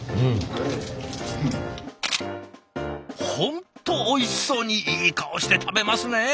本当おいしそうにいい顔して食べますね。